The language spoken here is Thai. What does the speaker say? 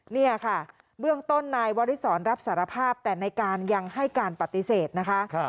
นี่ค่ะเบื้องต้นนายวริสรรับสารภาพแต่ในการยังให้การปฏิเสธนะคะ